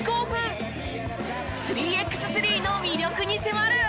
３ｘ３の魅力に迫る！